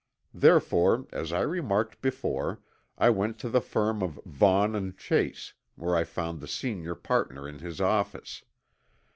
Therefore, as I remarked before, I went to the firm of Vaughn and Chase, where I found the senior partner in his office.